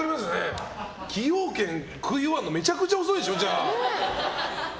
崎陽軒、食い終わるのめちゃくちゃ遅いでしょ。